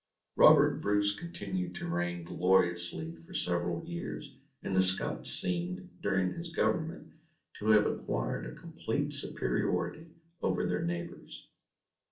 Robert Bruce continued to reign gloriously for several years, and the Scots seemed, during his government, to have acquired a complete superiority over their neighbours.